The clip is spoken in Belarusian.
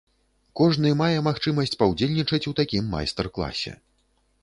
Кожны мае магчымасць паўдзельнічаць у такім майстар-класе.